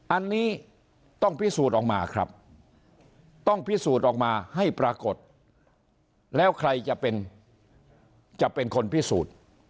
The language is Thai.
อันนี้ต้องพิสูจน์ออกมาครับต้องพิสูจน์ออกมาให้ปรากฏแล้วใครจะเป็นจะเป็นคนพิสูจน์